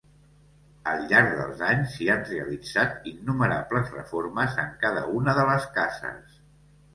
Al llarg dels anys s'hi han realitzat innumerables reformes en cada una de les cases.